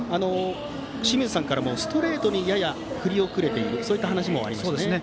清水さんからもストレートにやや振り遅れているそういった話もありましたね。